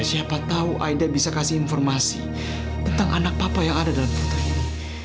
siapa tahu aida bisa kasih informasi tentang anak papa yang ada dalam putri ini